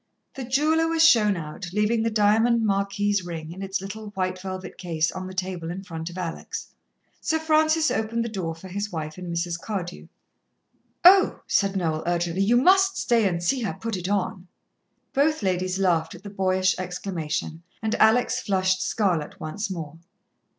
The jeweller was shown out, leaving the diamond marquise ring, in its little white velvet case, on the table in front of Alex. Sir Francis opened the door for his wife and Mrs. Cardew. "Oh," said Noel urgently. "You must stay and see her put it on." Both ladies laughed at the boyish exclamation, and Alex flushed scarlet once more.